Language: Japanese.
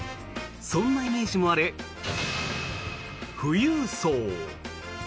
そんなイメージもある富裕層。